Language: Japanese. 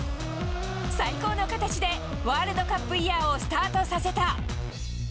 最高の形で、ワールドカップイヤーをスタートさせた。